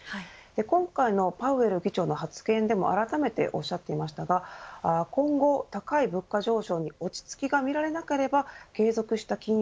今回のパウエル議長の発言でもあらためておっしゃっていましたが今後、高い物価上昇に落ち着きが見られなければ継続した金融